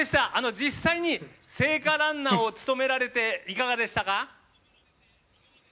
実際に聖火ランナーを務められていかがでしたか？